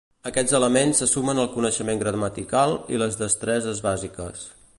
Aquests elements se sumen al coneixement gramatical i les destreses bàsiques.